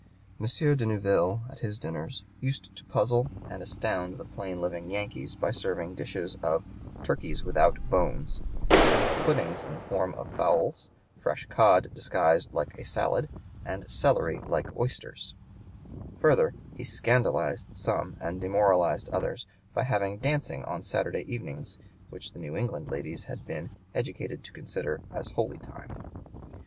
Mons. de Neuville, at his dinners, used to puzzle and astound the plain living Yankees by serving dishes of "turkeys without bones, and puddings in the form of fowls, fresh cod disguised like a salad, and celery like oysters;" further, he scandalized some and demoralized others by having dancing on (p. 103) Saturday evenings, which the New England ladies had been "educated to consider as holy time."